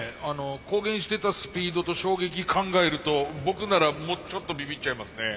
公言してたスピードと衝撃考えると僕ならちょっとびびっちゃいますね。